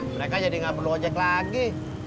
mereka jadi nggak perlu ojek lagi